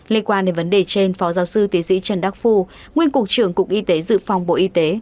liên quan đến vấn đề trên phó giáo sư tiến sĩ trần đắc phu nguyên cục trưởng cục y tế dự phòng bộ y tế